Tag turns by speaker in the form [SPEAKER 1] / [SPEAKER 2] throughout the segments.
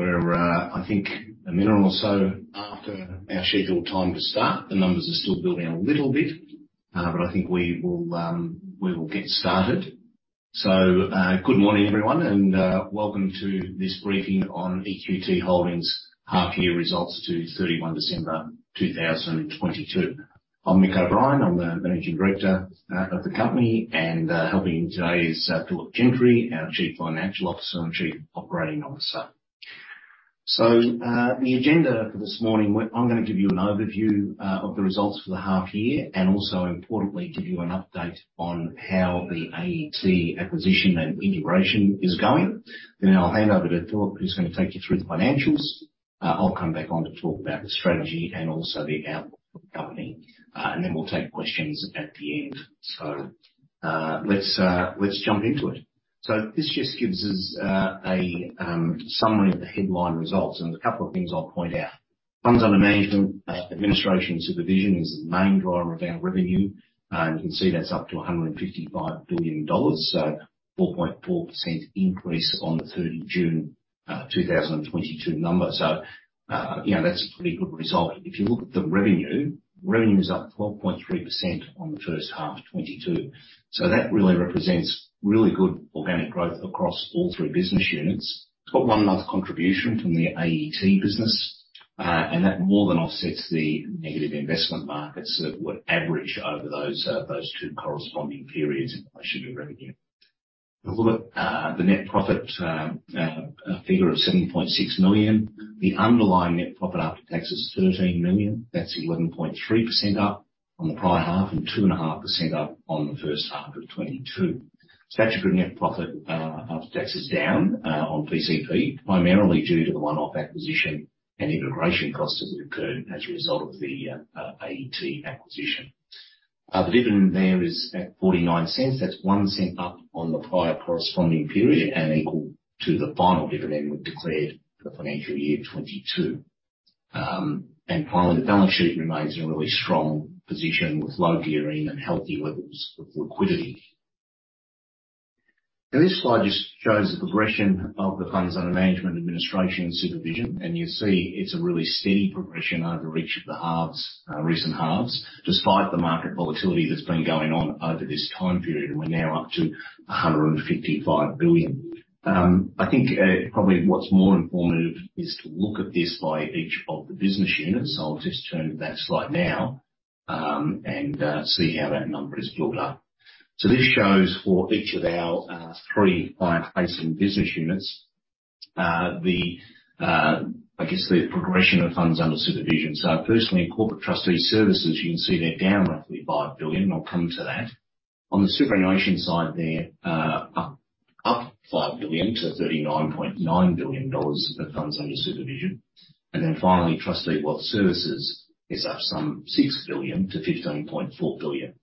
[SPEAKER 1] We're, I think a minute or so after our scheduled time to start. The numbers are still building a little bit, I think we will get started. Good morning, everyone, welcome to this briefing on EQT Holdings' Half Year Results to 31 December 2022. I'm Mick O'Brien, I'm the Managing Director of the company, helping me today is Philip Gentry, our Chief Financial Officer and Chief Operating Officer. The agenda for this morning, I'm gonna give you an overview of the results for the half year, and also importantly, give you an update on how the AET acquisition and integration is going. I'll hand over to Philip, who's gonna take you through the financials. I'll come back on to talk about the strategy and also the outlook of the company, then we'll take questions at the end. Let's jump into it. This just gives us a summary of the headline results, there's a couple of things I'll point out. Funds under management, administration, and supervision is the main driver of our revenue. You can see that's up to 155 billion dollars, a 4.4% increase on the June 30, 2022 number. You know, that's a pretty good result. If you look at the revenue is up 12.3% on the first half of 2022. That really represents really good organic growth across all three business units. It's got 1 month contribution from the AET business, and that more than offsets the negative investment markets that were average over those two corresponding periods in isolation of revenue. If you look at the net profit figure of 7.6 million, the underlying net profit after tax is 13 million. That's 11.3% up on the prior half and 2.5% up on the first half of 2022. Statutory net profit after tax is down on PCP, primarily due to the one-off acquisition and integration costs that have occurred as a result of the AET acquisition. The dividend there is at 0.49. That's 0.01 up on the prior corresponding period and equal to the final dividend we declared for the financial year 2022. Finally, the balance sheet remains in a really strong position with low gearing and healthy levels of liquidity. This slide just shows the progression of the funds under management, administration, and supervision. You see it's a really steady progression over each of the halves, recent halves, despite the market volatility that's been going on over this time period. We're now up to 155 billion. I think probably what's more informative is to look at this by each of the business units. I'll just turn to that slide now, see how that number is built up. This shows for each of our three client-facing business units, the, I guess, the progression of funds under supervision. Firstly, in Corporate Trustee Services, you can see they're down roughly 5 billion. I'll come to that. On the superannuation side, they're up 5 billion to 39.9 billion dollars of funds under supervision. Finally, Trustee & Wealth Services is up some 6 billion to 15.4 billion.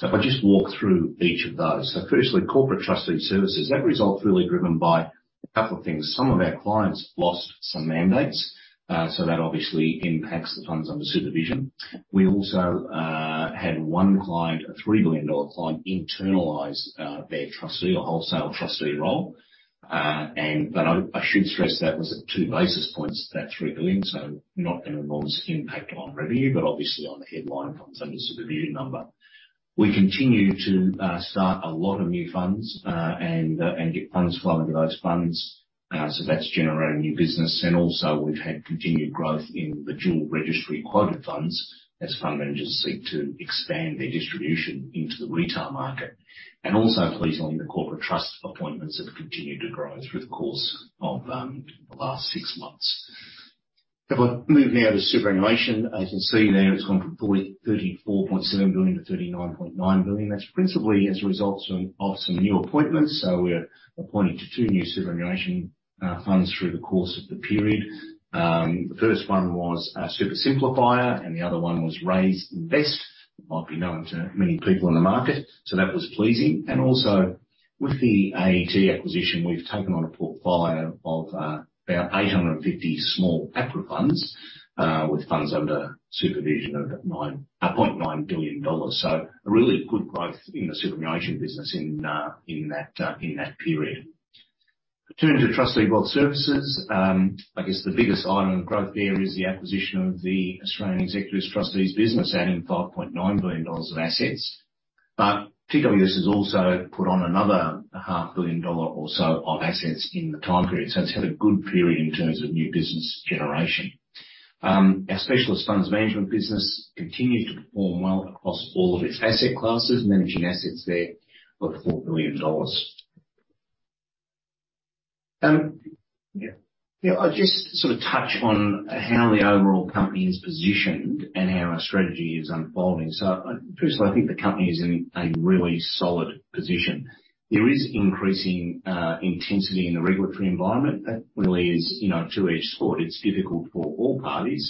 [SPEAKER 1] If I just walk through each of those. Firstly, Corporate Trustee Services. That result's really driven by a couple of things. Some of our clients lost some mandates, that obviously impacts the funds under supervision. We also had one client, a 3 billion dollar client, internalize their trustee or wholesale trustee role. I should stress that was at 2 basis points, that AUD 3 billion, not an enormous impact on revenue, but obviously on the headline funds under supervision number. We continue to start a lot of new funds and get funds flow into those funds. That's generating new business. We've had continued growth in the dual registry quota funds as fund managers seek to expand their distribution into the retail market. Pleasantly, the corporate trust appointments have continued to grow through the course of the last six months. If I move now to superannuation, as you can see there, it's gone from 34.7 billion to 39.9 billion. That's principally as a result of some new appointments. We're appointing to 2 new superannuation funds through the course of the period. The first one was Super SimpliPhier and the other one was Raiz Invest. It might be known to many people in the market. That was pleasing. With the AET acquisition, we've taken on a portfolio of about 850 small APRA funds, with funds under supervision of about 0.9 billion dollars. A really good growth in the superannuation business in that period. Turning to Trustee & Wealth Services, I guess the biggest item of growth there is the acquisition of the Australian Executor Trustees business, adding 5.9 billion dollars of assets. TWS has also put on another AUD half billion dollars or so of assets in the time period. It's had a good period in terms of new business generation. Our specialist funds management business continued to perform well across all of its asset classes, managing assets there of 4 billion dollars. Yeah, you know, I'll just sort of touch on how the overall company is positioned and how our strategy is unfolding. Firstly, I think the company is in a really solid position. There is increasing intensity in the regulatory environment. That really is, you know, a two-edged sword. It's difficult for all parties,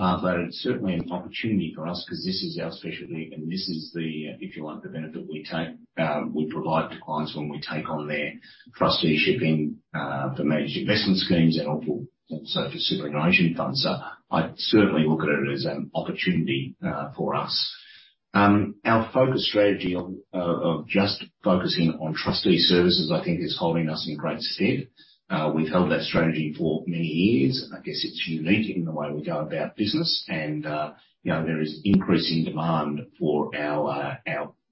[SPEAKER 1] but it's certainly an opportunity for us 'cause this is our specialty and this is the, if you like, the benefit we take, we provide to clients when we take on their trusteeship in the managed investment schemes and also for superannuation funds. I certainly look at it as an opportunity for us. Our focus strategy on of just focusing on trustee services, I think is holding us in great stead. We've held that strategy for many years. I guess it's unique in the way we go about business and, you know, there is increasing demand for our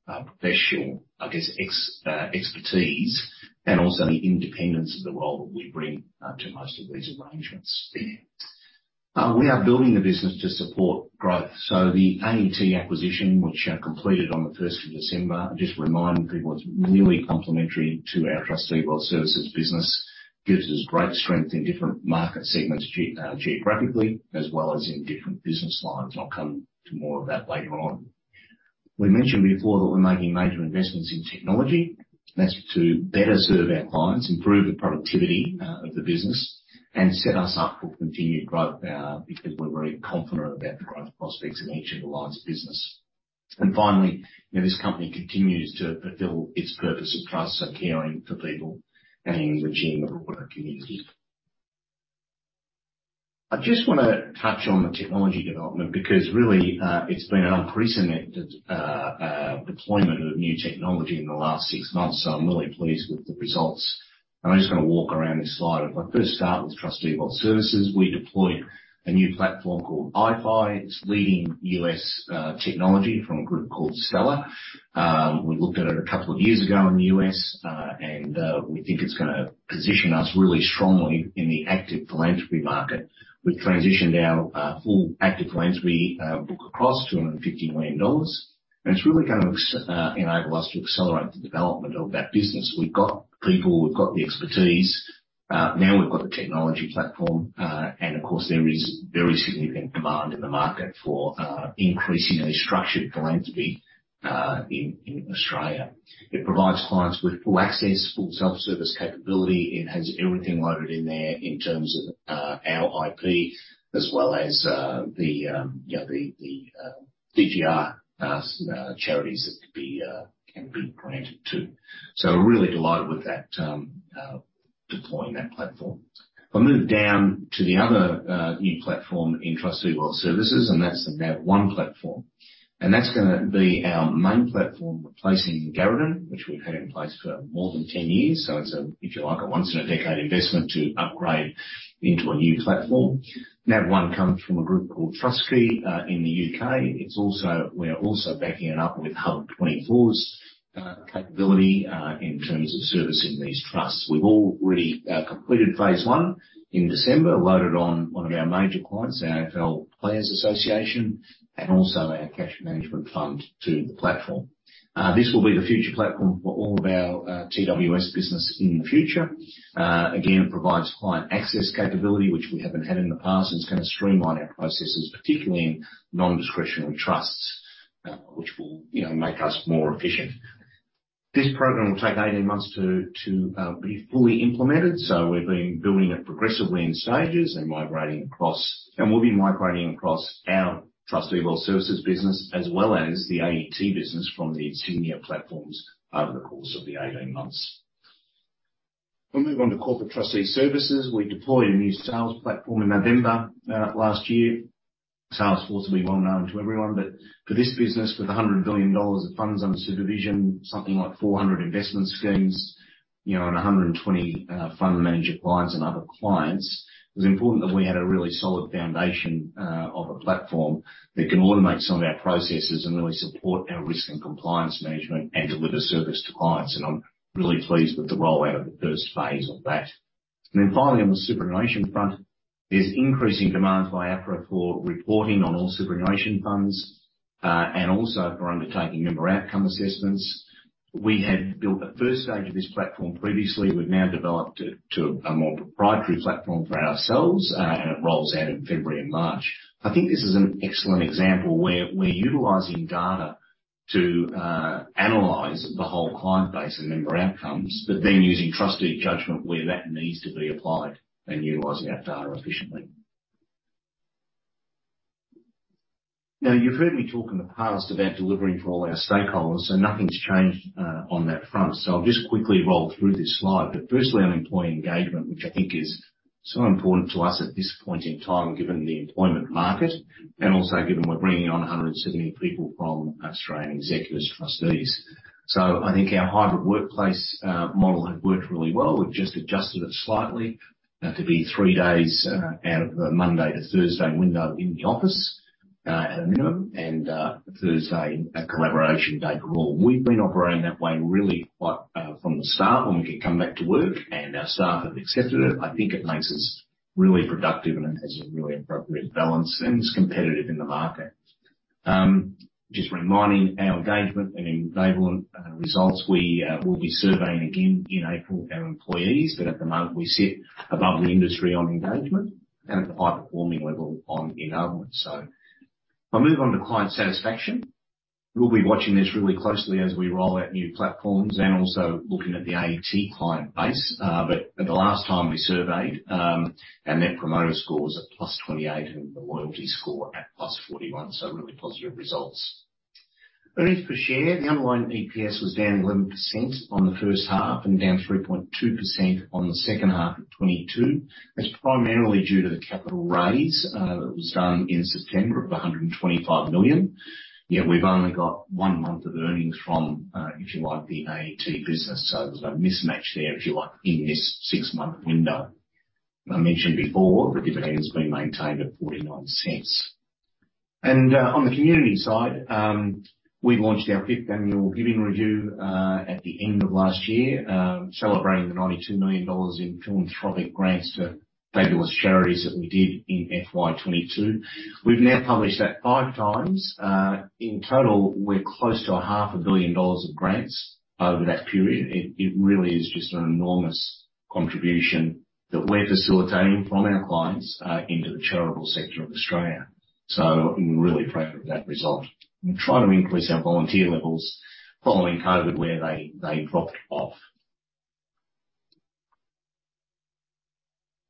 [SPEAKER 1] professional, I guess, expertise and also the independence of the role that we bring to most of these arrangements. We are building the business to support growth. The AET acquisition, which completed on the first of December, just reminding people it's really complementary to our Trustee & Wealth Services business, gives us great strength in different market segments geographically as well as in different business lines. I'll come to more of that later on. We mentioned before that we're making major investments in technology. That's to better serve our clients, improve the productivity of the business, and set us up for continued growth because we're very confident about the growth prospects of each of the lines of business. Finally, you know, this company continues to fulfill its purpose of trust and caring for people and enriching the broader community. I just wanna touch on the technology development because really, it's been an unprecedented deployment of new technology in the last 6 months, so I'm really pleased with the results. I'm just gonna walk around this slide. If I first start with Trustee Wealth Services, we deployed a new platform called iPhi. It's leading US technology from a group called Stellar. We looked at it a couple of years ago in the US, and we think it's gonna position us really strongly in the active philanthropy market. We've transitioned our full active philanthropy book across 250 million dollars, and it's really gonna enable us to accelerate the development of that business. We've got the people, we've got the expertise, now we've got the technology platform, and of course, there is very signiPhicant demand in the market for increasing any structured philanthropy in Australia. It provides clients with full access, full self-service capability. It has everything loaded in there in terms of our IP as well as the, you know, the DGR charities that could be can be granted to. We're really delighted with that, deploying that platform. If I move down to the other new platform in Trustee & Wealth Services, and that's the NavOne platform. That's gonna be our main platform replacing Garradyn, which we've had in place for more than 10 years. It's a, if you like, a once in a decade investment to upgrade into a new platform. NavOne comes from a group called TrustQuay in the U.K. We're also backing it up with Hub24's capability in terms of servicing these trusts. We've already completed phase 1 in December, loaded on one of our major clients, the AFL Players' Association, and also our cash management fund to the platform. This will be the future platform for all of our TWS business in the future. Again, it provides client access capability, which we haven't had in the past. It's gonna streamline our processes, particularly in non-discretionary trusts, which will, you know, make us more efficient. This program will take 18 months to be fully implemented, so we've been building it progressively in stages and migrating across. We'll be migrating across our Trustee & Wealth Services business as well as the AET business from the Insignia platforms over the course of the 18 months. We'll move on to Corporate Trustee Services. We deployed a new sales platform in November last year. Salesforce will be well known to everyone, but for this business, with 100 billion dollars of funds under supervision, something like 400 investment schemes, you know, and 120 fund manager clients and other clients, it's important that we had a really solid foundation of a platform that can automate some of our processes and really support our risk and compliance management and deliver service to clients. I'm really pleased with the rollout of the first phase of that. Finally, on the superannuation front, there's increasing demands by APRA for reporting on all superannuation funds and also for undertaking member outcome assessments. We had built the first stage of this platform previously. We've now developed it to a more proprietary platform for ourselves, and it rolls out in February and March. I think this is an excellent example where we're utilizing data to analyze the whole client base and member outcomes, but then using trustee judgment where that needs to be applied and utilizing our data efficiently. You've heard me talk in the past about delivering for all our stakeholders, so nothing's changed on that front. I'll just quickly roll through this slide. Firstly, on employee engagement, which I think is so important to us at this point in time, given the employment market, and also given we're bringing on 170 people from Australian Executor Trustees. I think our hybrid workplace model has worked really well. We've just adjusted it slightly to be three days out of the Monday to Thursday window in the office at a minimum and Thursday a collaboration day for all. We've been operating that way really quite from the start when we could come back to work and our staff have accepted it. I think it makes us really productive and it has a really appropriate balance and is competitive in the market. Just reminding our engagement and enablement results, we will be surveying again in April our employees. At the moment, we sit above the industry on engagement and at the high-performing level on enablement. If I move on to client satisfaction. We'll be watching this really closely as we roll out new platforms and also looking at the AET client base. At the last time we surveyed, our net promoter score was at +28 and the loyalty score at +41, so really positive results. Earnings per share. The underlying EPS was down 11% on the first half and down 3.2% on the second half of 2022. That's primarily due to the capital raise that was done in September of 125 million. Yet we've only got one month of earnings from, if you like, the AET business. So there's a mismatch there, if you like, in this six-month window. I mentioned before, the dividend has been maintained at 0.49. On the community side, we launched our fifth annual giving review at the end of last year, celebrating the 92 million dollars in philanthropic grants for fabulous charities that we did in FY 2022. We've now published that five times. In total, we're close to a half a billion dollars of grants over that period. It really is just an enormous contribution that we're facilitating from our clients into the charitable sector of Australia. We're really proud of that result. We've tried to increase our volunteer levels following COVID, where they dropped off.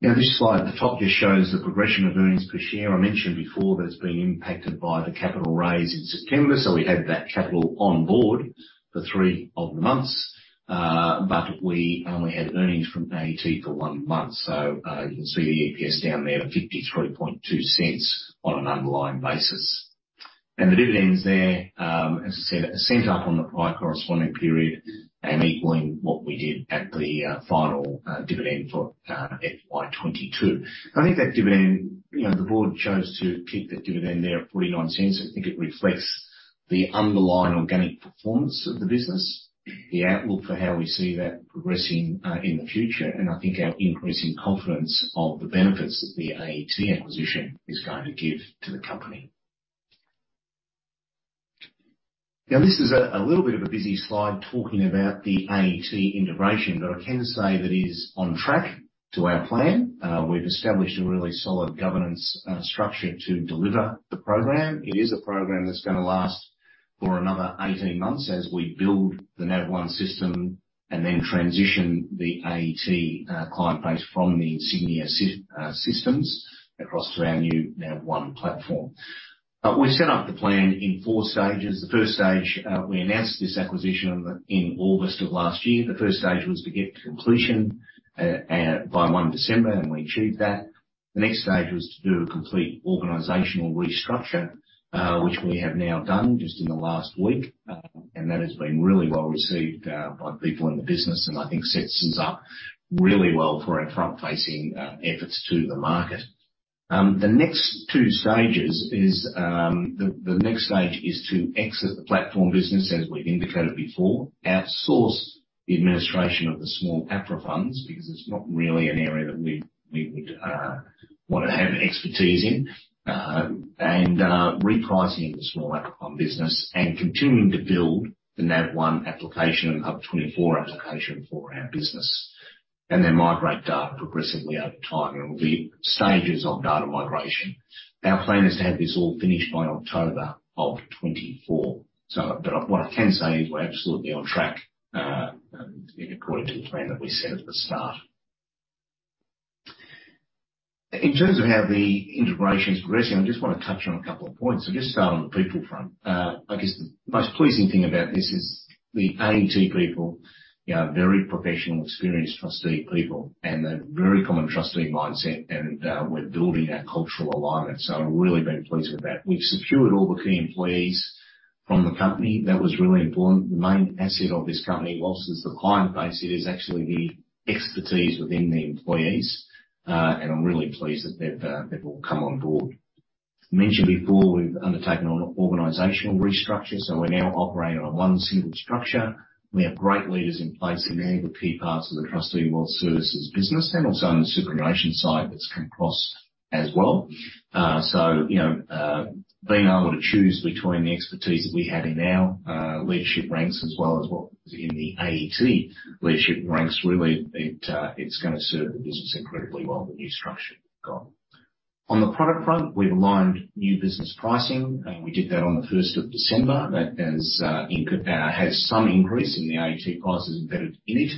[SPEAKER 1] This slide at the top just shows the progression of earnings per share. I mentioned before that it's been impacted by the capital raise in September. We had that capital on board for three of the months, but we only had earnings from AET for one month. You can see the EPS down there at 0.532 on an underlying basis. The dividends there, as I said, a cent up on the prior corresponding period and equaling what we did at the final dividend for FY 2022. I think that dividend, you know, the board chose to keep the dividend there at 0.49. I think it reflects the underlying organic performance of the business, the outlook for how we see that progressing in the future, and I think our increasing confidence of the benefits that the AET acquisition is going to give to the company. This is a little bit of a busy slide talking about the AET integration, but I can say that it is on track to our plan. We've established a really solid governance structure to deliver the program. It is a program that's gonna last for another 18 months as we build the NavOne system and then transition the AET client base from the Insignia systems across to our new NavOne platform. We set up the plan in 4 stages. The first stage, we announced this acquisition in August of last year. The first stage was to get to completion, by 1 December. We achieved that. The next stage was to do a complete organizational restructure, which we have now done just in the last week. That has been really well received, by people in the business and I think sets us up really well for our front-facing, efforts to the market. The next two stages is, the next stage is to exit the platform business, as we've indicated before, outsource the administration of the small APRA funds, because it's not really an area that we would wanna have expertise in, and repricing of the small APRA fund business and continuing to build the NavOne application and Hub24 application for our business, and then migrate data progressively over time. There will be stages of data migration. Our plan is to have this all finished by October of 2024. What I can say is we're absolutely on track, according to the plan that we set at the start. In terms of how the integration is progressing, I just wanna touch on a couple of points. I'll just start on the people front. I guess the most pleasing thing about this is the AET people, you know, are very professional, experienced trustee people, and they've very common trustee mindset, and we're building that cultural alignment. I've really been pleased with that. We've secured all the key employees from the company. That was really important. The main asset of this company, whilst it's the client base, it is actually the expertise within the employees, and I'm really pleased that they've all come on board. I mentioned before we've undertaken an organizational restructure. We now operate on one single structure. We have great leaders in place in all the key parts of the Trustee & Wealth Services business and also on the superannuation side that's come across as well. you know, being able to choose between the expertise that we have in our leadership ranks as well as what was in the AET leadership ranks, really, it's gonna serve the business incredibly well, the new structure we've got. On the product front, we've aligned new business pricing. We did that on the first of December. That has some increase in the AET prices embedded in it.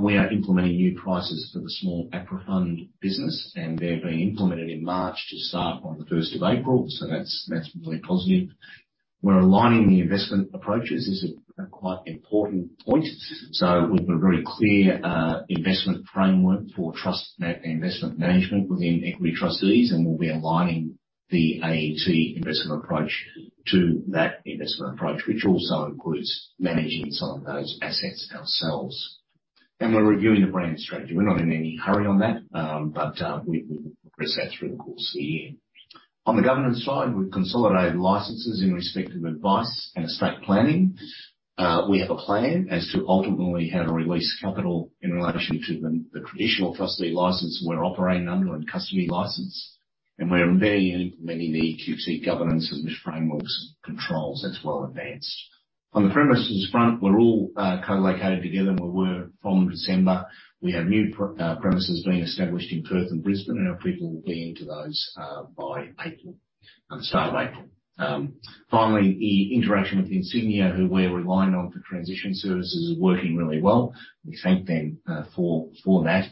[SPEAKER 1] We are implementing new prices for the small APRA fund business. They're being implemented in March to start on the first of April. That's really positive. We're aligning the investment approaches. This is a quite important point. We've got a very clear inframework for investment management within Equity Trustees, and we'll be aligning the AET investment approach to that investment approach, which also includes managing some of those assets ourselves. We're reviewing the brand strategy. We're not in any hurry on that, but we will progress that through the course of the year. On the governance side, we've consolidated licenses in respect of advice and estate planning. We have a plan as to ultimately how to release capital in relation to the traditional trustee license we're operating under and custody license. We're embedding and implementing the EQT governance and risk frameworks and controls. That's well advanced. On the premises front, we're all co-located together, and we were from December. We have new premises being established in Perth and Brisbane, and our people will be into those by April, start of April. Finally, the interaction with Insignia, who we're relying on for transition services, is working really well. We thank them for that.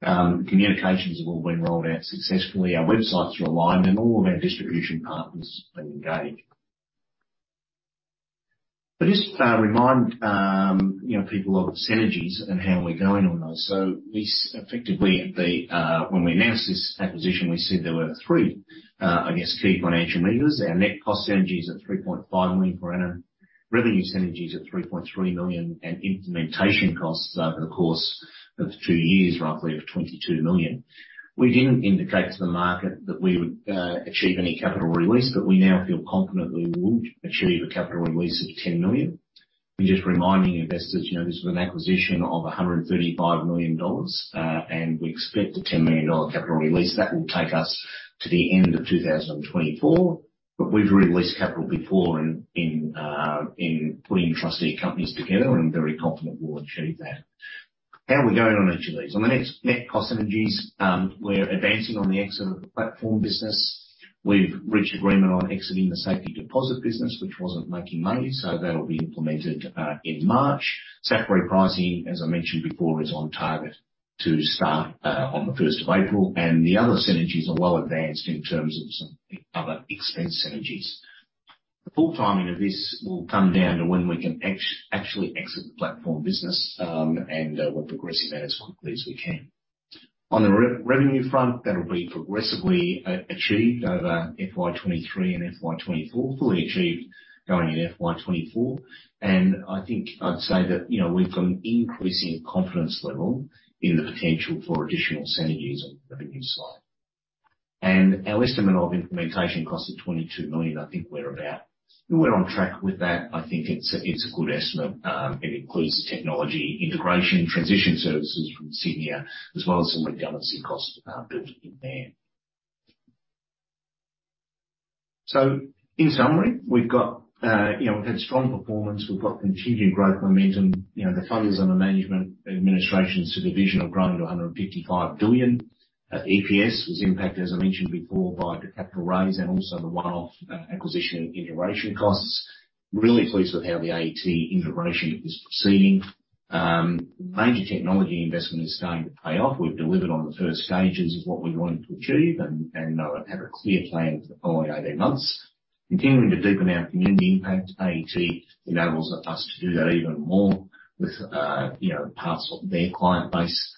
[SPEAKER 1] Communications have all been rolled out successfully. Our websites are aligned, and all of our distribution partners have been engaged. Just to remind, you know, people of synergies and how we're going on those. We effectively, when we announced this acquisition, we said there were three, I guess, key financial measures. Our net cost synergies of 3.5 million per annum, revenue synergies of 3.3 million, and implementation costs over the course of two years, roughly, of 22 million. We didn't indicate to the market that we would achieve any capital release. We now feel confident we will achieve a capital release of 10 million. We're just reminding investors, you know, this was an acquisition of 135 million dollars. We expect an 10 million dollar capital release. That will take us to the end of 2024. We've released capital before in putting trustee companies together. I'm very confident we'll achieve that. How are we going on each of these? On the next net cost synergies, we're advancing on the exit of the platform business. We've reached agreement on exiting the safety deposit business, which wasn't making money. That'll be implemented in March. Salary repricing, as I mentioned before, is on target to start on the first of April, and the other synergies are well advanced in terms of some other expense synergies. The full timing of this will come down to when we can actually exit the platform business, and we're progressing that as quickly as we can. On the revenue front, that'll be progressively achieved over FY 2023 and FY 2024, fully achieved going into FY 2024. I think I'd say that, you know, we've got an increasing confidence level in the potential for additional synergies on the revenue side. Our estimate of implementation costs of 22 million, I think we're on track with that. I think it's a good estimate. It includes technology, integration, transition services from Insignia, as well as some redundancy costs built in there. In summary, we've got, you know, we've had strong performance. We've got continued growth momentum. You know, the funds under management administration subdivision have grown to 155 billion. EPS was impacted, as I mentioned before, by the capital raise and also the one-off acquisition and integration costs. Really pleased with how the AET integration is proceeding. Major technology investment is starting to pay off. We've delivered on the first stages of what we wanted to achieve and have a clear plan for the following 18 months. Continuing to deepen our community impact. AET enables us to do that even more with, you know, parts of their client base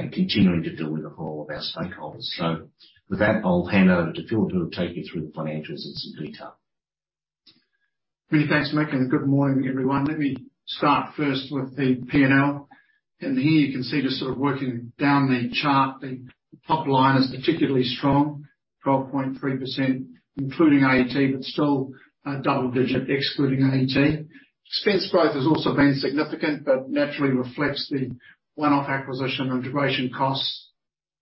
[SPEAKER 1] and continuing to deliver for all of our stakeholders. With that, I'll hand over to Phil, who will take you through the financials in some detail.
[SPEAKER 2] Many thanks, Mick, good morning, everyone. Let me start first with the P&L. Here you can see just sort of working down the chart. The top line is particularly strong, 12.3%, including AET, but still double digit excluding AET. Expense growth has also been signiPhicant, but naturally reflects the one-off acquisition integration costs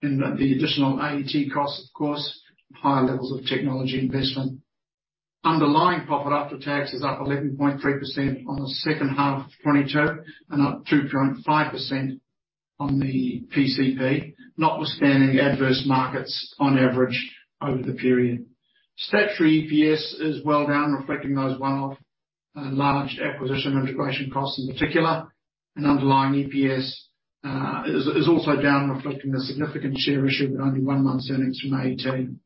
[SPEAKER 2] and the additional AET costs, of course, higher levels of technology investment. Underlying profit after tax is up 11.3% on the second half of 2022 and up 2.5% on the PCP, notwithstanding adverse markets on average over the period. Statutory EPS is well down, reflecting those one-off large acquisition integration costs in particular. Underlying EPS is also down, reflecting the signiPhicant share issue with only one month's earnings from AET. Down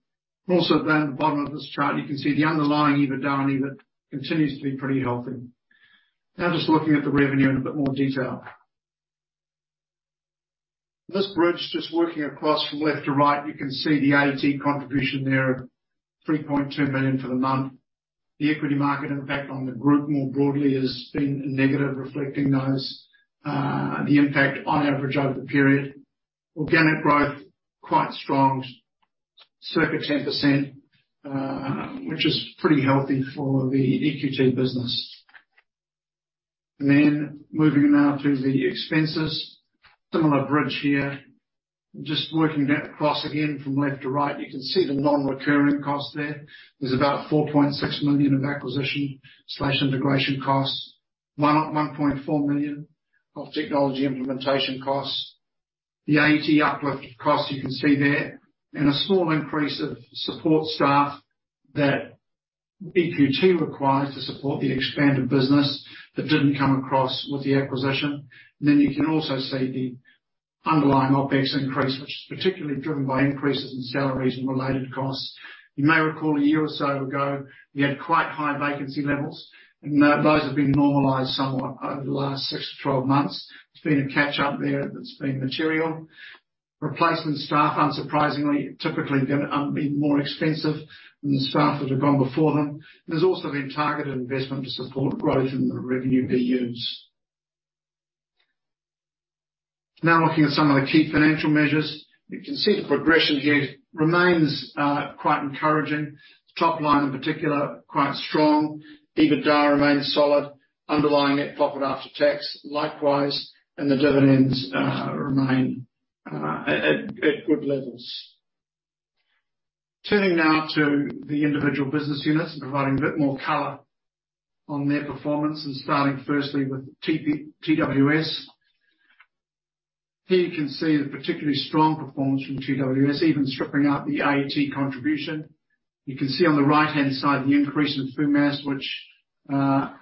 [SPEAKER 2] at the bottom of this chart, you can see the underlying EBITDA and EBIT continues to be pretty healthy. Just looking at the revenue in a bit more detail. This bridge, just working across from left to right, you can see the AET contribution there of 3.2 million for the month. The equity market impact on the group more broadly has been negative, reflecting those the impact on average over the period. Organic growth, quite strong, circa 10%, which is pretty healthy for the EQT business. Moving now to the expenses. Similar bridge here. Just working that across again from left to right, you can see the non-recurring costs there. There's about 4.6 million of acquisition/integration costs, 1.4 million of technology implementation costs. The AET uplift costs you can see there. A small increase of support staff that EQT requires to support the expanded business that didn't come across with the acquisition. Then you can also see the underlying OpEx increase, which is particularly driven by increases in salaries and related costs. You may recall a year or so ago, we had quite high vacancy levels, and those have been normalized somewhat over the last 6 to 12 months. There's been a catch up there that's been material. Replacement staff, unsurprisingly, typically gonna be more expensive than the staff that have gone before them. There's also been targeted investment to support growth in the revenue BUs. Now, looking at some of the key financial measures. You can see the progression here remains quite encouraging. Top line in particular, quite strong. EBITDA remains solid. Underlying net profit after tax, likewise. The dividends remain at good levels. Turning now to the individual business units and providing a bit more color on their performance and starting firstly with TWS. Here you can see the particularly strong performance from TWS, even stripping out the AET contribution. You can see on the right-hand side the increase in FUMAS, which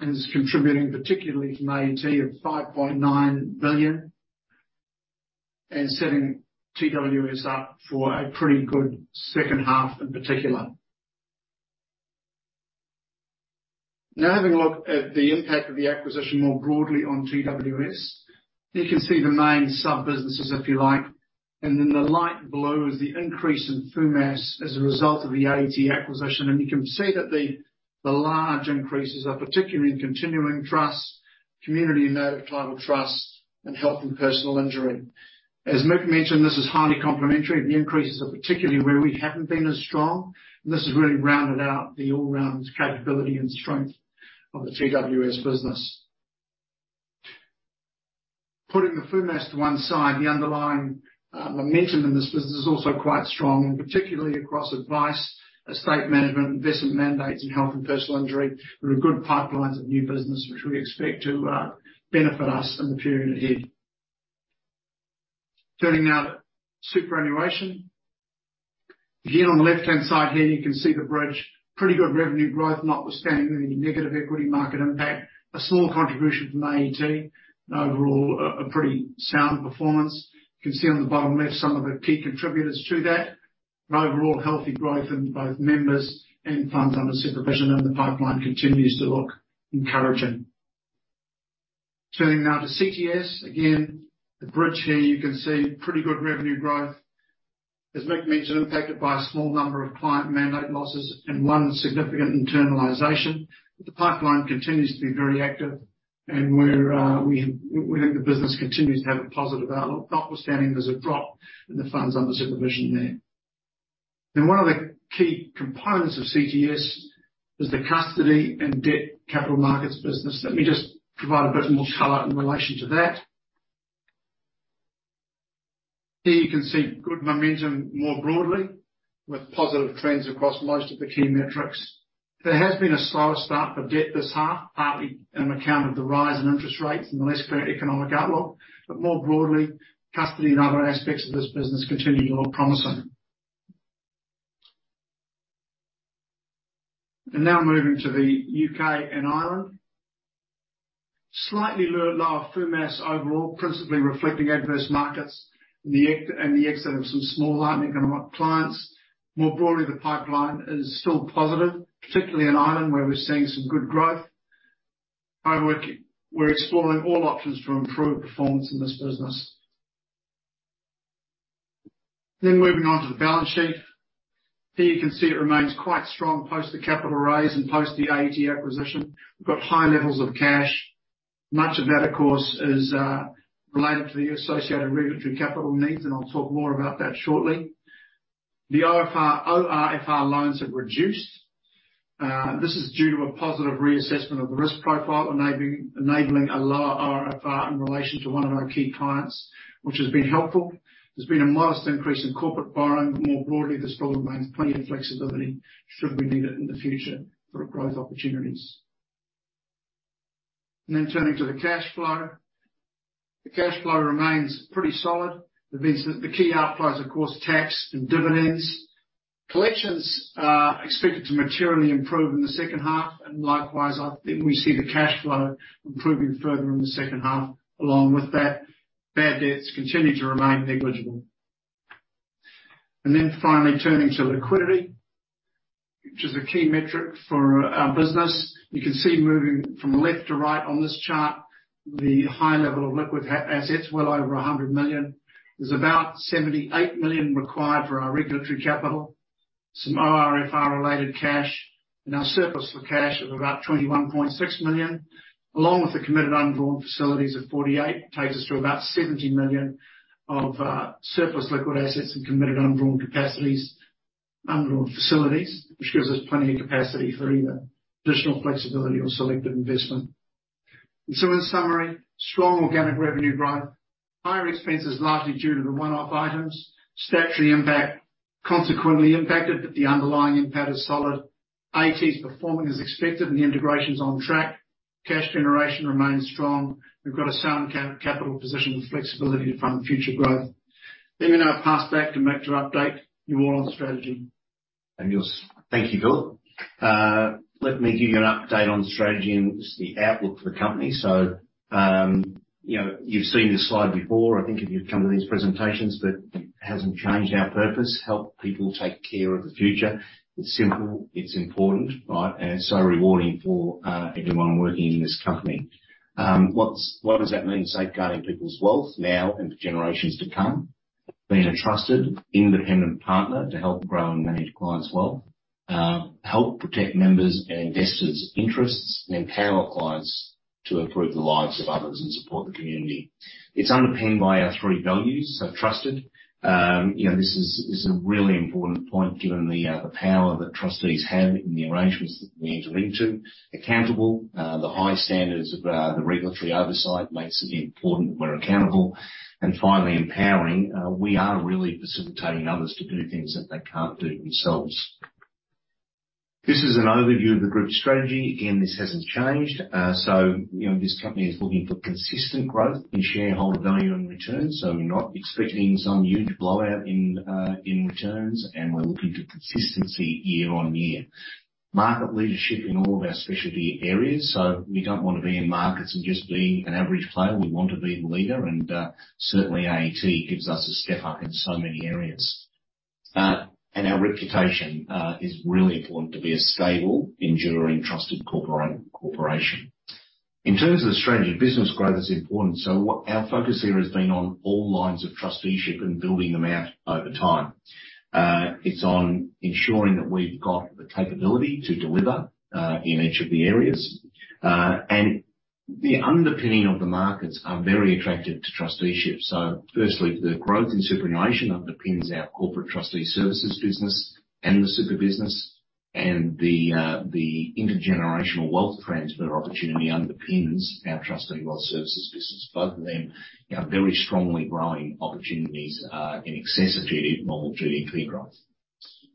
[SPEAKER 2] is contributing particularly from AET of 5.9 billion. Setting TWS up for a pretty good second half in particular. Now, having a look at the impact of the acquisition more broadly on TWS. You can see the main sub-businesses, if you like, and then the light blue is the increase in FUMAS as a result of the AET acquisition. You can see that the large increases are particularly in continuing trust, community and not-for-profit trust, and health and personal injury. As Mick mentioned, this is highly complementary. The increases are particularly where we haven't been as strong, and this has really rounded out the all-round capability and strength of the TWS business. Putting the FUMAS to one side, the underlying momentum in this business is also quite strong, and particularly across advice, estate management, investment mandates, and health and personal injury. There are good pipelines of new business which we expect to benefit us in the period ahead. Turning now to superannuation. Again, on the left-hand side here, you can see the bridge. Pretty good revenue growth, notwithstanding any negative equity market impact. A small contribution from AET. Overall a pretty sound performance. You can see on the bottom left some of the key contributors to that. An overall healthy growth in both members and funds under supervision and the pipeline continues to look encouraging. Turning now to CTS. The bridge here you can see pretty good revenue growth. As Mick mentioned, impacted by a small number of client mandate losses and one signiPhicant internalization. The pipeline continues to be very active and we think the business continues to have a positive outlook, notwithstanding there's a drop in the funds under supervision there. One of the key components of CTS is the custody and debt capital markets business. Let me just provide a bit more color in relation to that. Here you can see good momentum more broadly with positive trends across most of the key metrics. There has been a slower start for debt this half, partly on account of the rise in interest rates and the less clear economic outlook. More broadly, custody and other aspects of this business continue to look promising. Now moving to the U.K. and Ireland. Slightly lower FUMAS overall, principally reflecting adverse markets and the exit of some small line economic clients. More broadly, the pipeline is still positive, particularly in Ireland where we're seeing some good growth. However, we're exploring all options to improve performance in this business. Moving on to the balance sheet. Here you can see it remains quite strong post the capital raise and post the AET acquisition. We've got high levels of cash. Much of that, of course, is related to the associated regulatory capital needs, and I'll talk more about that shortly. The ORFR loans have reduced. This is due to a positive reassessment of the risk profile enabling a lower ORFR in relation to one of our key clients, which has been helpful. There's been a modest increase in corporate borrowing. More broadly, this still remains plenty of flexibility should we need it in the future for growth opportunities. Turning to the cash flow. The cash flow remains pretty solid. The key outflows, of course, tax and dividends. Collections are expected to materially improve in the second half, and likewise, I think we see the cash flow improving further in the second half. Along with that, bad debts continue to remain negligible. Finally turning to liquidity, which is a key metric for our business. You can see moving from left to right on this chart, the high level of liquid assets, well over 100 million. There's about 78 million required for our regulatory capital. Some ORFR related cash and our surplus for cash of about 21.6 million, along with the committed undrawn facilities of 48 million, takes us to about 70 million of surplus liquid assets and committed undrawn capacities, undrawn facilities. Which gives us plenty of capacity for either additional flexibility or selective investment. In summary, strong organic revenue growth. Higher expenses largely due to the one-off items. Statutory impact consequently impacted, but the underlying impact is solid. AET's performing as expected and the integration's on track. Cash generation remains strong. We've got a sound capital position with flexibility to fund future growth. Let me now pass back to Mick to update you more on strategy.
[SPEAKER 1] Yes. Thank you, Phil. Let me give you an update on strategy and just the outlook for the company. You know, you've seen this slide before, I think if you've come to these presentations, but it hasn't changed our purpose. Help people take care of the future. It's simple, it's important, right? Rewarding for everyone working in this company. What does that mean? Safeguarding people's wealth now and for generations to come. Being a trusted independent partner to help grow and manage clients' wealth. Help protect members' and investors' interests. Empower clients to improve the lives of others and support the community. It's underpinned by our three values. Trusted. You know, this is a really important point given the power that trustees have in the arrangements that we enter into. Accountable. The high standards of the regulatory oversight makes it important we're accountable. Finally, empowering. We are really facilitating others to do things that they can't do themselves. This is an overview of the group strategy. Again, this hasn't changed. You know, this company is looking for consistent growth in shareholder value and returns. We're not expecting some huge blowout in returns, and we're looking for consistency year on year. Market leadership in all of our specialty areas. We don't want to be in markets and just being an average player. We want to be the leader. Certainly, AET gives us a step up in so many areas. Our reputation is really important to be a stable, enduring, trusted corporation. In terms of the strategy, business growth is important. What our focus here has been on all lines of trusteeship and building them out over time. It's on ensuring that we've got the capability to deliver in each of the areas. The underpinning of the markets are very attractive to trusteeship. Firstly, the growth in superannuation underpins our Corporate Trustee Services business and the super business and the intergenerational wealth transfer opportunity underpins our Trustee & Wealth Services business. Both of them are very strongly growing opportunities in excess of normal GDP growth.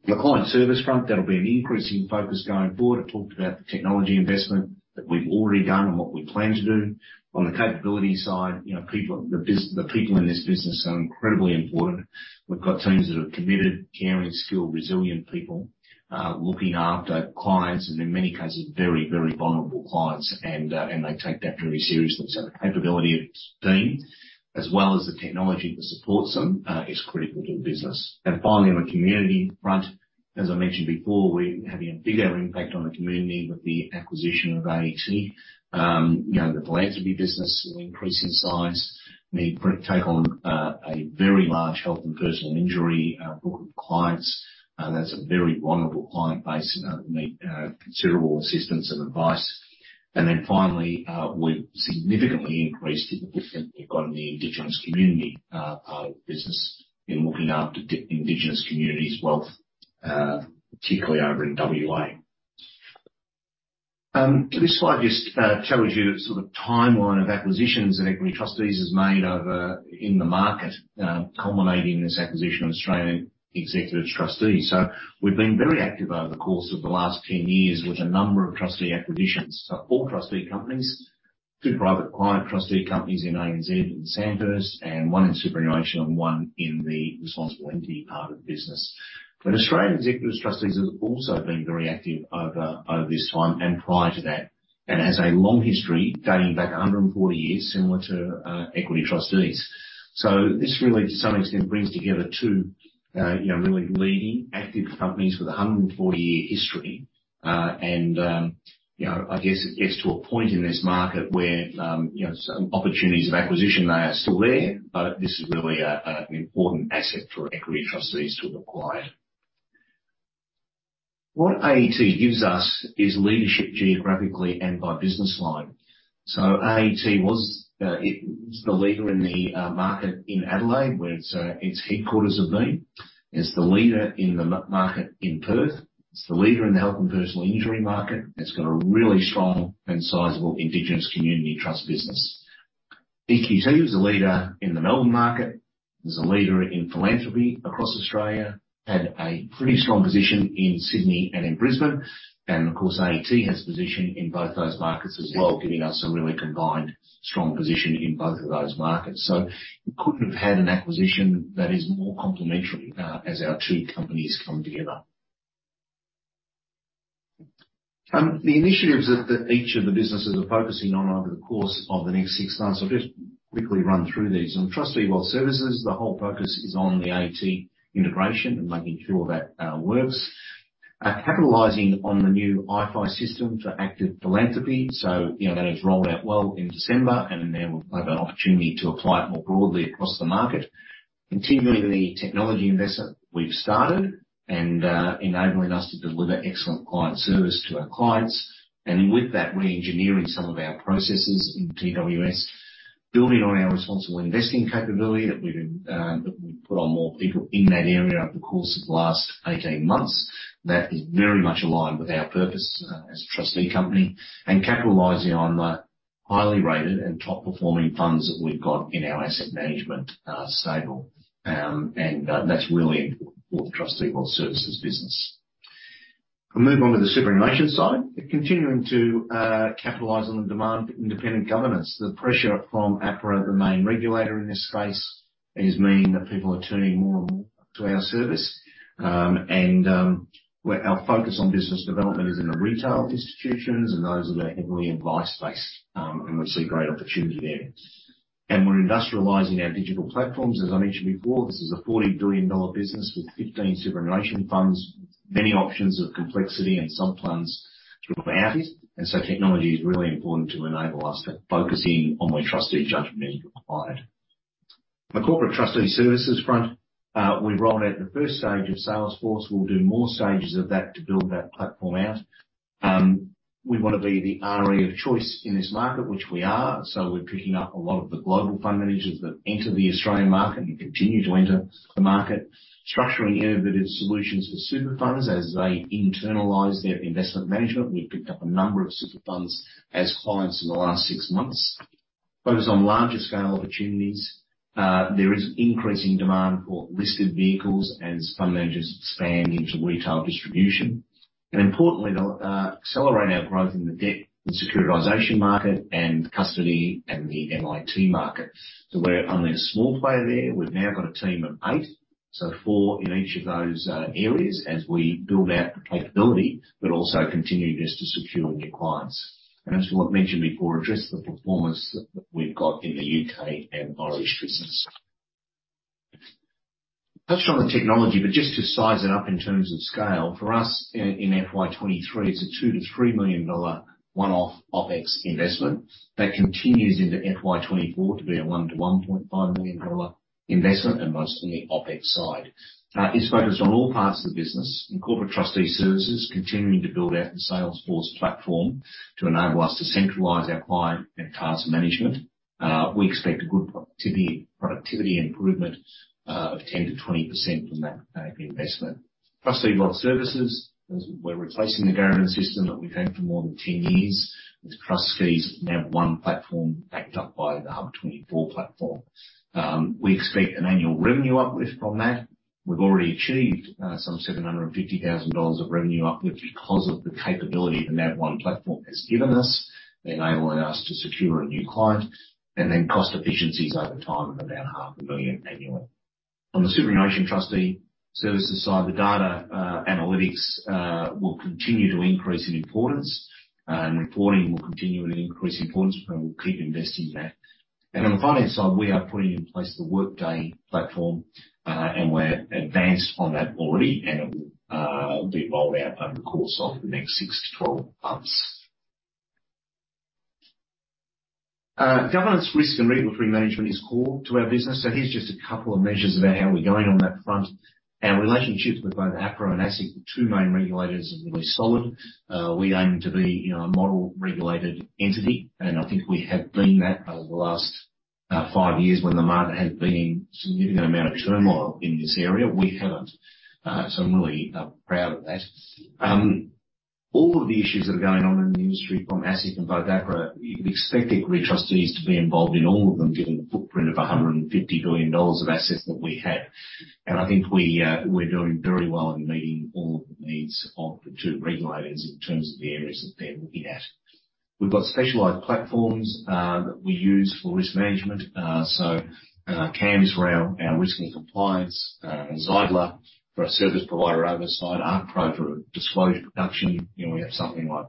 [SPEAKER 1] The client service front, that'll be an increasing focus going forward. I talked about the technology investment that we've already done and what we plan to do. On the capability side, you know, people, the people in this business are incredibly important. We've got teams that are committed, caring, skilled, resilient people, looking after clients and in many cases, very, very vulnerable clients. They take that very seriously. The capability of the team, as well as the technology that supports them, is critical to the business. Finally, on the community front, as I mentioned before, we're having a bigger impact on the community with the acquisition of AET. You know, the philanthropy business will increase in size. We take on a very large health and personal injury book of clients, and that's a very vulnerable client base and that'll need considerable assistance and advice. Then finally, we've signiPhicantly increased the footprint we've got in the indigenous community business in looking after indigenous communities' wealth, particularly over in WA. This slide just shows you the sort of timeline of acquisitions that Equity Trustees has made over in the market, culminating in this acquisition of Australian Executor Trustees. We've been very active over the course of the last 10 years with a number of trustee acquisitions. 4 trustee companies, 2 private client trustee companies in ANZ and Sandhurst, and 1 in superannuation and 1 in the responsible entity part of the business. Australian Executor Trustees has also been very active over this time and prior to that, and has a long history dating back 140 years, similar to Equity Trustees. This really, to some extent, brings together 2, you know, really leading active companies with a 140-year history. I guess it gets to a point in this market where some opportunities of acquisition, they are still there, this is really an important asset for Equity Trustees to acquire. What AET gives us is leadership geographically and by business line. AET was it was the leader in the market in Adelaide, where its headquarters have been. It's the leader in the market in Perth. It's the leader in the health and personal injury market. It's got a really strong and sizable indigenous community trust business. EQT is a leader in the Melbourne market, is a leader in philanthropy across Australia. Had a pretty strong position in Sydney and in Brisbane. Of course, AET has position in both those markets as well, giving us a really combined strong position in both of those markets. We couldn't have had an acquisition that is more complementary as our two companies come together. The initiatives that each of the businesses are focusing on over the course of the next six months, I'll just quickly run through these. On Trustee & Wealth Services, the whole focus is on the AET integration and making sure that works. Capitalizing on the new iPhi system for active philanthropy. You know, that has rolled out well in December, and now we'll have an opportunity to apply it more broadly across the market. Continuing the technology investment we've started and enabling us to deliver excellent client service to our clients. With that, reengineering some of our processes in TWS. Building on our responsible investing capability that we've put on more people in that area over the course of the last 18 months. That is very much aligned with our purpose as a trustee company. Capitalizing on the highly rated and top-performing funds that we've got in our asset management stable. That's really important for the Trustee & Wealth Services business. I'll move on to the superannuation side. We're continuing to capitalize on the demand for independent governance. The pressure from APRA, the main regulator in this space, has meant that people are turning more and more to our service. Our focus on business development is in the retail institutions, and those are the heavily advice-based, and we see great opportunity there. We're industrializing our digital platforms. As I mentioned before, this is an AUD 40 billion business with 15 superannuation funds, many options of complexity and sub-plans to offer. Technology is really important to enable us, but focusing on where trustee judgment is required. The Corporate Trustee Services front, we've rolled out the first stage of Salesforce. We'll do more stages of that to build that platform out. We wanna be the RE of choice in this market, which we are. We're picking up a lot of the global fund managers that enter the Australian market and continue to enter the market. Structuring innovative solutions for super funds as they internalize their investment management. We've picked up a number of super funds as clients in the last 6 months. Focus on larger scale opportunities. There is increasing demand for listed vehicles as fund managers expand into retail distribution. Importantly, the accelerate our growth in the debt and securitization market and custody and the MIT market. We're only a small player there. We've now got a team of eight, so four in each of those areas as we build out the capability, but also continue just to secure new clients. As Philip mentioned before, address the performance that we've got in the UK and Irish business. Just to size it up in terms of scale. For us in FY 2023, it's a $2 to 3 million one-off OpEx investment that continues into FY 2024 to be a $1 to 1.5 million investment, and mostly on the OpEx side. It's focused on all parts of the business. In Corporate Trustee Services, continuing to build out the Salesforce platform to enable us to centralize our client and task management. We expect a good productivity improvement of 10%-20% from that investment. Trustee & Wealth Services, as we're replacing the Garradin system that we've had for more than 10 years, with NavOne platform backed up by the Hub24 platform. We expect an annual revenue uplift from that. We've already achieved some 750,000 dollars of revenue uplift because of the capability the NavOne platform has given us, enabling us to secure a new client, and then cost efficiencies over time of about half a million annually. On the superannuation trustee services side, the data analytics will continue to increase in importance, and reporting will continue at an increased importance, and we'll keep investing in that. On the finance side, we are putting in place the Workday platform, and we're advanced on that already, and it will be rolled out over the course of the next 6 to 12 months. Governance risk and regulatory management is core to our business. Here's just a couple of measures about how we're going on that front. Our relationships with both APRA and ASIC, the two main regulators, have been really solid. We aim to be, you know, a model regulated entity, and I think we have been that over the last five years when the market has been in signiPhicant amount of turmoil in this area. We haven't, so I'm really proud of that. All of the issues that are going on in the industry from ASIC and both APRA, you'd expect Equity Trustees to be involved in all of them, given the footprint of $150 billion of assets that we have. I think we're doing very well in meeting all of the needs of the two regulators in terms of the areas that they're looking at. We've got specialized platforms that we use for risk management. Camms for our risk and compliance, and Xylo for our service provider oversight, ArcPro for disclosure production. You know, we have something like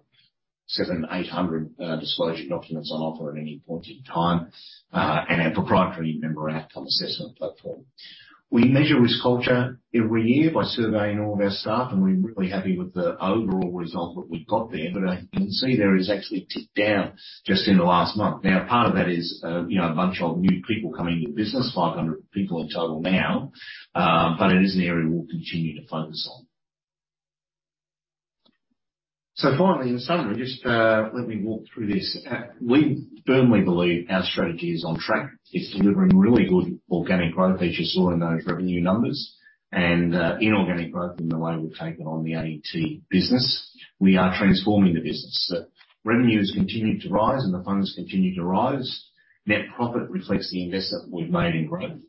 [SPEAKER 1] 700 to 800 disclosure documents on offer at any point in time, and our proprietary Member Outcome Assessment platform. We measure risk culture every year by surveying all of our staff, we're really happy with the overall result that we've got there. You can see there is actually a tick down just in the last month. Now, part of that is, you know, a bunch of new people coming to the business, 500 people in total now, but it is an area we'll continue to focus on. Finally, in summary, just, let me walk through this. We firmly believe our strategy is on track. It's delivering really good organic growth, as you saw in those revenue numbers, and inorganic growth in the way we've taken on the AET business. We are transforming the business. The revenue has continued to rise, and the funds continue to rise. Net profit reflects the investment we've made in growth.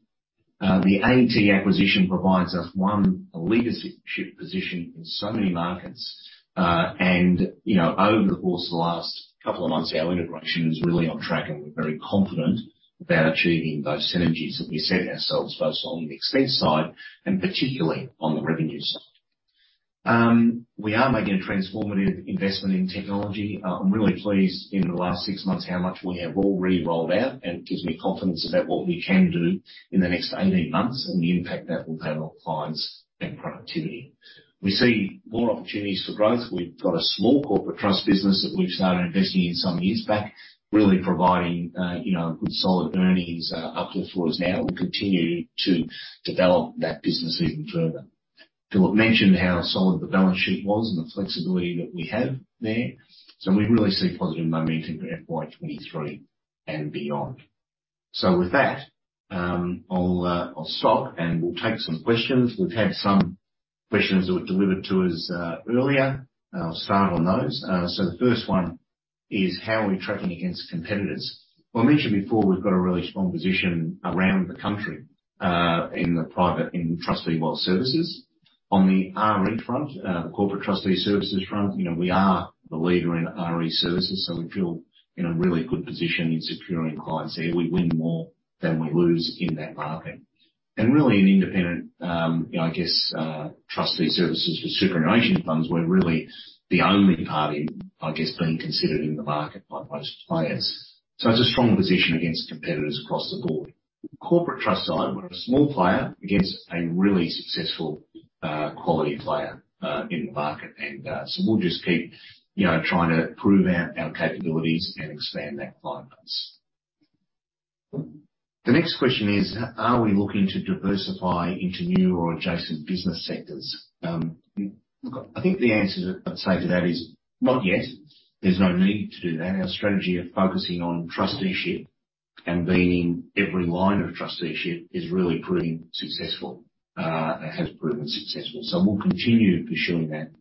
[SPEAKER 1] The AET acquisition provides us one, a leadership position in so many markets. You know, over the course of the last couple of months, our integration is really on track, and we're very confident about achieving those synergies that we set ourselves, both on the expense side and particularly on the revenue side. We are making a transformative investment in technology. I'm really pleased over the last six months how much we have already rolled out. It gives me confidence about what we can do in the next 18 months and the impact that will have on clients and productivity. We see more opportunities for growth. We've got a small Corporate Trust business that we've started investing in some years back. Really providing, you know, good solid earnings uplift for us now. We'll continue to develop that business even further. Philip mentioned how solid the balance sheet was and the flexibility that we have there. We really see positive momentum for FY 2023 and beyond. With that, I'll stop, and we'll take some questions. We've had some questions that were delivered to us earlier. I'll start on those. The first one is, how are we tracking against competitors? Well, I mentioned before, we've got a really strong position around the country, in the private, in Trustee & Wealth Services. On the RE front, the Corporate Trustee Services front, you know, we are the leader in RE services, so we feel in a really good position in securing clients there. We win more than we lose in that market. Really an independent, you know, I guess, trustee services for superannuation funds, we're really the only party, I guess, being considered in the market by most players. It's a strong position against competitors across the board. Corporate trust side, we're a small player against a really successful, quality player in the market. We'll just keep, you know, trying to prove our capabilities and expand that client base. The next question is, are we looking to diversify into new or adjacent business sectors? Look, I think the answer that I'd say to that is not yet. There's no need to do that. Our strategy of focusing on trusteeship and being every line of trusteeship is really proving successful and has proven successful. We'll continue pursuing that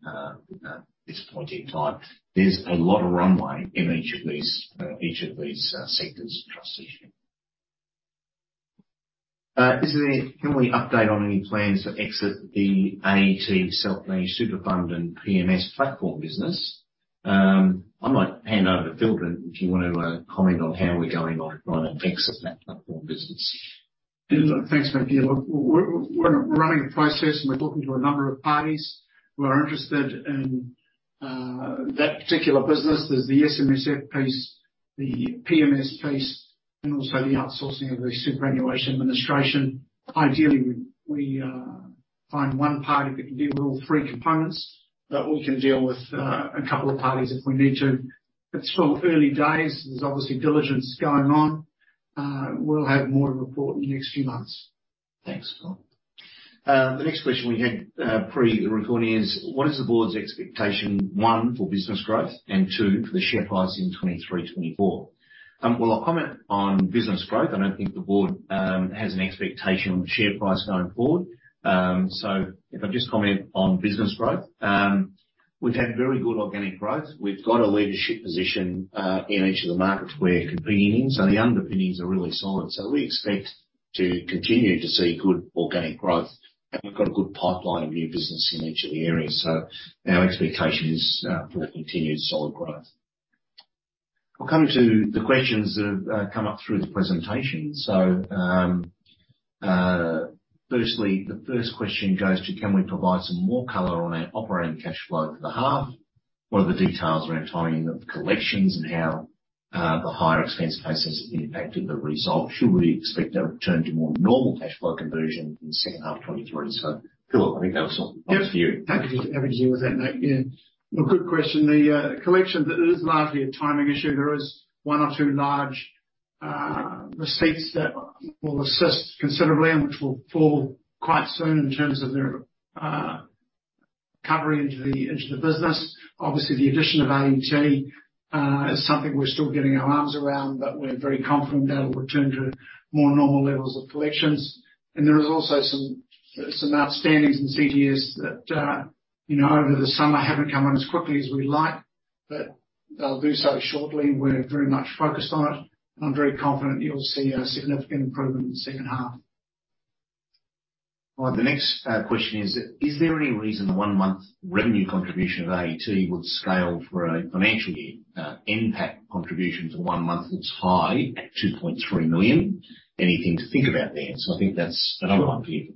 [SPEAKER 1] at this point in time. There's a lot of runway in each of these sectors of trusteeship. Can we update on any plans to exit the AET self-managed super fund and PMS platform business? I might hand over to Phil, but if you want to comment on how we're going on the fix of that platform business.
[SPEAKER 2] Yeah, look, thanks, mate. Yeah, look, we're running a process, and we're talking to a number of parties who are interested in that particular business. There's the SMSF piece, the PMS piece, and also the outsourcing of the superannuation administration. Ideally, we find one party that can deal with all three components, but we can deal with a couple of parties if we need to. It's still early days. There's obviously diligence going on. We'll have more to report in the next few months.
[SPEAKER 1] Thanks, Phil. The next question we had, pre-recording is: What is the board's expectation, 1, for business growth and, 2, for the share price in 2023, 2024? Well, I'll comment on business growth. I don't think the board has an expectation on share price going forward. If I just comment on business growth. We've had very good organic growth. We've got a leadership position in each of the markets we're competing in, so the underpinnings are really solid. We expect to continue to see good organic growth. We've got a good pipeline of new business in each of the areas. Our expectation is for continued solid growth. We'll come to the questions that have come up through the presentation. firstly, the first question goes to can we provide some more color on our operating cash flow for the half? What are the details around timing of collections and how the higher expense base has impacted the result? Should we expect a return to more normal cash flow conversion in the second half of 2023? Phil, I think that was more for you.
[SPEAKER 2] Happy to deal with that, Nick. Yeah. Look, good question. The collection, it is largely a timing issue. There is one or two large receipts that will assist considerably and which will fall quite soon in terms of their covering into the into the business. Obviously, the addition of AET is something we're still getting our arms around, but we're very confident that'll return to more normal levels of collections. There is also some outstandings in CTS that, you know, over the summer haven't come in as quickly as we'd like, but they'll do so shortly. We're very much focused on it. I'm very confident you'll see a signiPhicant improvement in the second half.
[SPEAKER 1] All right. The next question is: Is there any reason the one-month revenue contribution of AET would scale for a financial year NPAT contribution for one month that's high at 2.3 million? Anything to think about there? I think that's another one for you.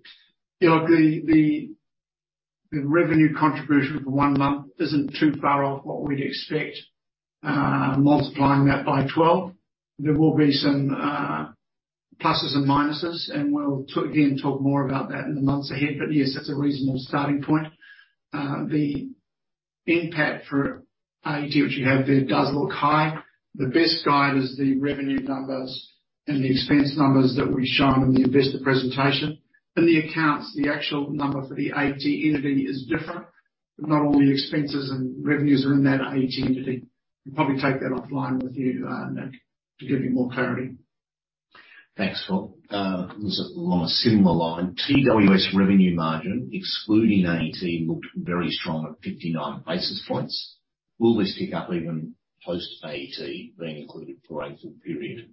[SPEAKER 2] Sure. Yeah. Look, the, the revenue contribution for one month isn't too far off what we'd expect, multiplying that by 12. There will be some pluses and minuses, and we'll again, talk more about that in the months ahead. Yes, that's a reasonable starting point. The NPAT for AET, which you have there, does look high. The best guide is the revenue numbers and the expense numbers that we've shown in the investor presentation. In the accounts, the actual number for the AET entity is different. Not all the expenses and revenues are in that AET entity. We'll probably take that offline with you, Mick, to give you more clarity.
[SPEAKER 1] Thanks, Phil. This is along a similar line. TWS revenue margin, excluding AET, looked very strong at 59 basis points. Will this pick up even post-AET being included for a full period?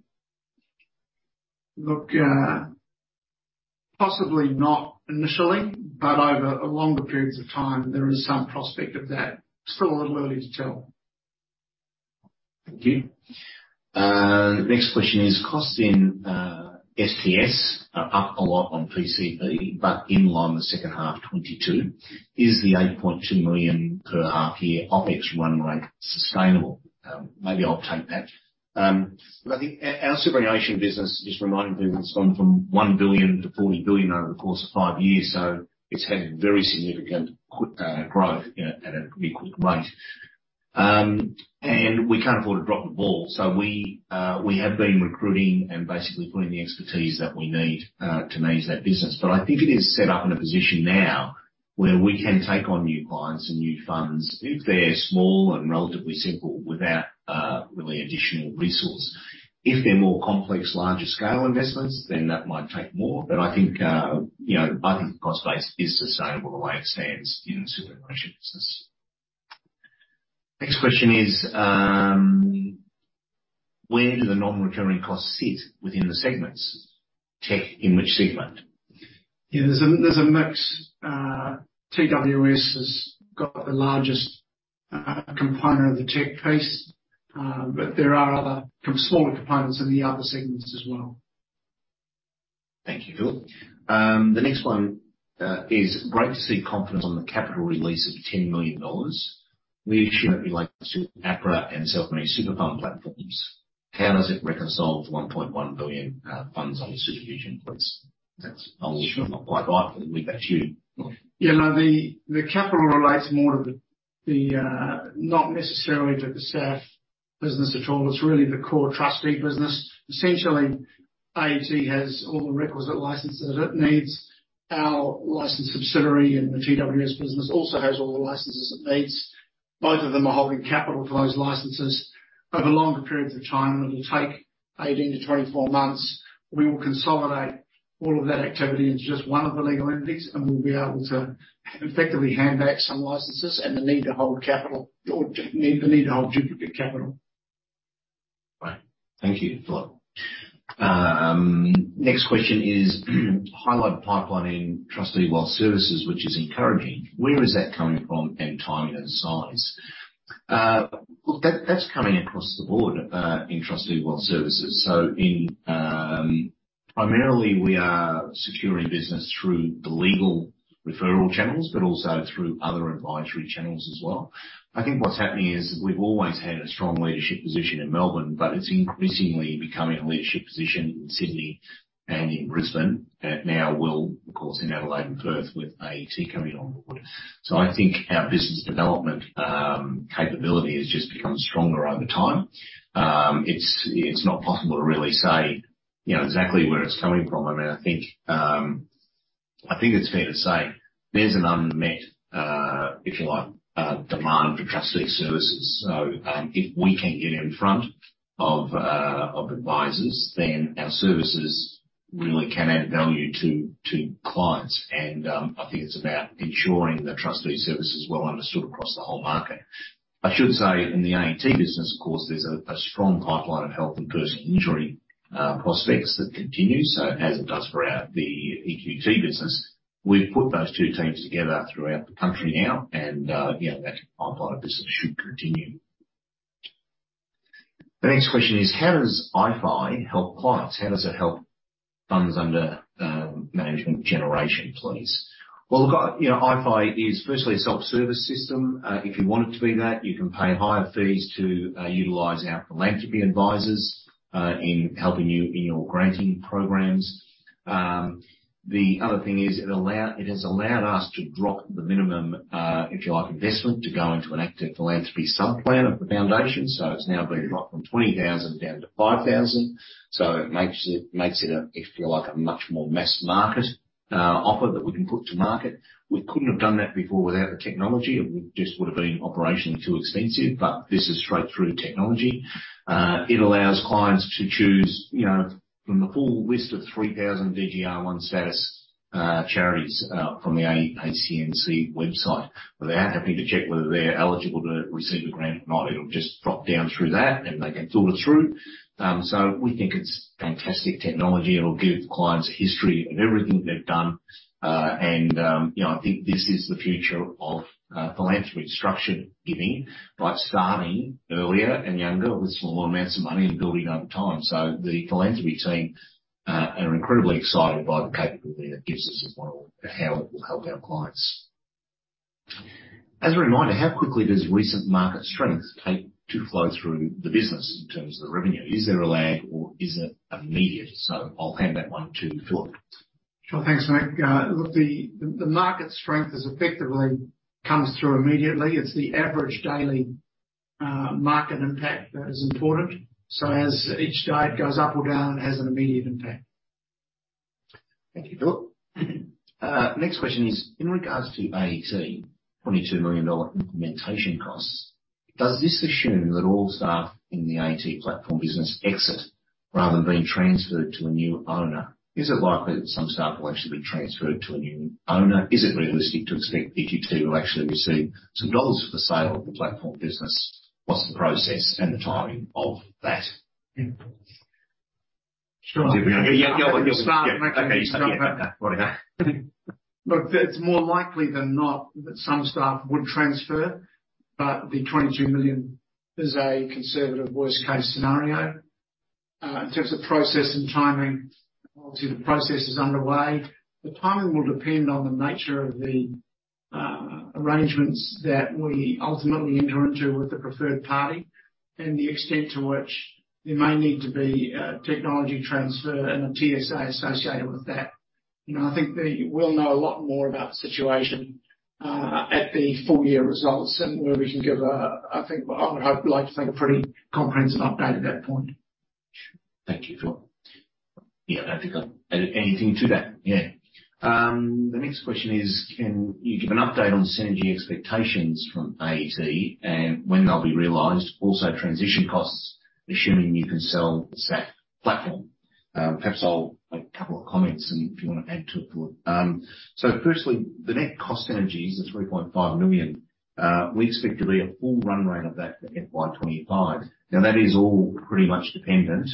[SPEAKER 2] Possibly not initially, but over longer periods of time, there is some prospect of that. Still a little early to tell.
[SPEAKER 1] Thank you. The next question is costing, SPS are up a lot on PCB, but in line with second half 2022. Is the 8.2 million per half year OpEx run rate sustainable? Maybe I'll take that. Look, our superannuation business, just reminding people, it's gone from 1 billion to 40 billion over the course of 5 years, so it's had very significant growth at a pretty quick rate. We can't afford to drop the ball. We have been recruiting and basically putting the expertise that we need to manage that business. I think it is set up in a position now where we can take on new clients and new funds if they're small and relatively simple without really additional resource. If they're more complex, larger scale investments, then that might take more. I think, you know, I think the cost base is sustainable the way it stands in the superannuation business. Next question is: Where do the non-recurring costs sit within the segments? Check in which segment.
[SPEAKER 2] Yeah. There's a mix. TWS has got the largest component of the tech piece. There are other smaller components in the other segments as well.
[SPEAKER 1] Thank you, Phil. The next one is: Great to see confidence on the capital release of 10 million dollars. We assume it relates to APRA and self-managed super fund platforms. How does it reconcile to 1.1 billion funds under supervision, please?
[SPEAKER 2] Sure.
[SPEAKER 1] leave that to you.
[SPEAKER 2] No, the capital relates more to the not necessarily to the staff business at all. It's really the core trustee business. Essentially, AET has all the requisite licenses it needs. Our licensed subsidiary in the TWS business also has all the licenses it needs. Both of them are holding capital for those licenses. Over longer periods of time, it'll take 18 to 24 months. We will consolidate all of that activity into just one of the legal entities, and we'll be able to effectively hand back some licenses and the need to hold capital or the need to hold duplicate capital.
[SPEAKER 1] Right. Thank you, Philip. Next question is highlight pipelining Trustee & Wealth Services, which is encouraging. Where is that coming from in timing and size? Well, that's coming across the board, in Trustee & Wealth Services. Primarily, we are securing business through the legal referral channels but also through other advisory channels as well. I think what's happening is we've always had a strong leadership position in Melbourne, but it's increasingly becoming a leadership position in Sydney and in Brisbane, and now will of course, in Adelaide and Perth with AET coming on board. I think our business development capability has just become stronger over time. It's not possible to really say, you know, exactly where it's coming from. I think it's fair to say there's an unmet, if you like, demand for trustee services. If we can get in front of advisors, then our services really can add value to clients. I think it's about ensuring the trustee service is well understood across the whole market. I should say in the AET business, of course, there's a strong pipeline of health and personal injury prospects that continue, as it does for our EQT business. We've put those two teams together throughout the country now and, you know, that pipeline of business should continue. The next question is, how does iPhi help clients? How does it help funds under management generation please? Well, look, you know, iPhi is firstly a self-service system. If you want it to be that, you can pay higher fees to utilize our philanthropy advisors in helping you in your granting programs. The other thing is it has allowed us to drop the minimum, if you like, investment to go into an active philanthropy subplan of the foundation. It's now been dropped from 20,000 down to 5,000. It makes it a, if you like, a much more mass market offer that we can put to market. We couldn't have done that before without the technology. It just would've been operationally too expensive. This is straight through technology. It allows clients to choose, you know, from the full list of 3,000 DGR 1 status charities from the ACNC website without having to check whether they're eligible to receive a grant or not. It'll just drop down through that, and they can filter through. We think it's fantastic technology. It'll give clients a history of everything they've done. You know, I think this is the future of philanthropy and structured giving by starting earlier and younger with small amounts of money and building over time. The philanthropy team are incredibly excited by the capability that gives us as well how it will help our clients. As a reminder, how quickly does recent market strength take to flow through the business in terms of the revenue? Is there a lag or is it immediate? I'll hand that one to Philip.
[SPEAKER 2] Sure. Thanks, Mick. look, the market strength is effectively comes through immediately. It's the average daily market impact that is important. As each day it goes up or down, it has an immediate impact.
[SPEAKER 1] Thank you, Philip. Next question is, in regards to AET AUD 22 million implementation costs, does this assume that all staff in the AET platform business exit rather than being transferred to a new owner? Is it likely that some staff will actually be transferred to a new owner? Is it realistic to expect EQT will actually receive some dollars for the sale of the platform business? What's the process and the timing of that?
[SPEAKER 2] Sure.
[SPEAKER 1] Yeah. Yeah. Okay. Right.
[SPEAKER 2] Look, it's more likely than not that some staff would transfer, but the 22 million is a conservative worst-case scenario. In terms of process and timing, obviously, the process is underway. The timing will depend on the nature of the arrangements that we ultimately enter into with the preferred party and the extent to which there may need to be a technology transfer and a TSA associated with that. You know, I think that we'll know a lot more about the situation at the full year results and where we can give a, I think, I would hope, like to think, a pretty comprehensive update at that point.
[SPEAKER 1] Thank you, Philip. Yeah, I don't think I'll add anything to that. Yeah. The next question is, can you give an update on synergy expectations from AET and when they'll be realized? Transition costs, assuming you can sell that platform. Perhaps I'll make a couple of comments and if you wanna add to it, Philip. Firstly, the net cost synergies, the 3.5 million, we expect to be a full run rate of that for FY 2025. That is all pretty much dependent.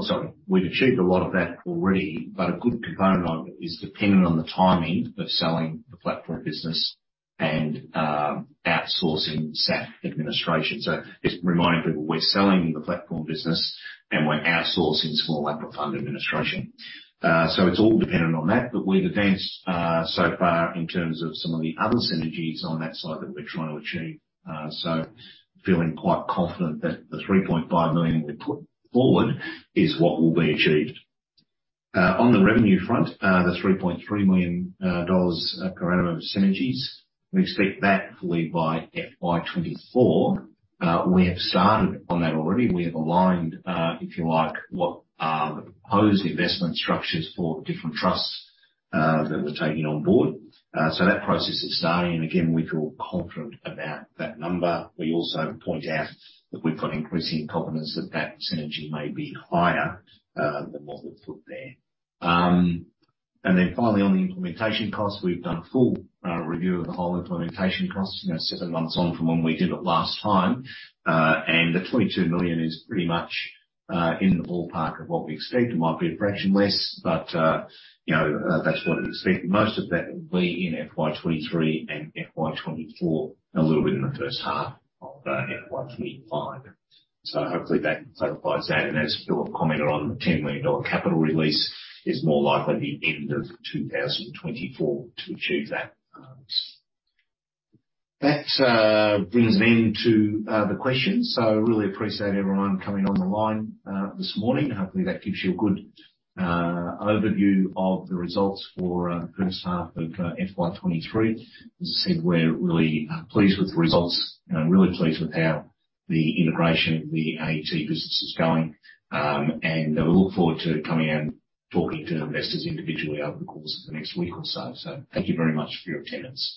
[SPEAKER 1] Sorry. We've achieved a lot of that already, a good component of it is dependent on the timing of selling the platform business and outsourcing SAF administration. Just reminding people, we're selling the platform business, and we're outsourcing Small APRA Fund administration. It's all dependent on that, but we've advanced so far in terms of some of the other synergies on that side that we're trying to achieve. Feeling quite confident that the 3.5 million we put forward is what will be achieved. On the revenue front, the 3.3 million dollars per annum of synergies, we expect that to leave by FY 2024. We have started on that already. We have aligned, if you like, what are the proposed investment structures for different trusts that we're taking on board. That process is starting, and again, we feel confident about that number. We also point out that we've got increasing confidence that that synergy may be higher than what we've put there. Finally, on the implementation costs, we've done a full review of the whole implementation costs, you know, seven months on from when we did it last time. The 22 million is pretty much in the ballpark of what we expect. It might be a fraction less, but you know, that's what it expected. Most of that will be in FY 2023 and FY 2024, a little bit in the first half of FY 2025. Hopefully that clarifies that. As Philip commented on, the 10 million dollar capital release is more likely the end of 2024 to achieve that. That brings an end to the questions. Really appreciate everyone coming on the line this morning. Hopefully, that gives you a good overview of the results for the first half of FY 23. As I said, we're really pleased with the results and really pleased with how the integration of the AET business is going. We look forward to coming and talking to investors individually over the course of the next week or so. Thank you very much for your attendance.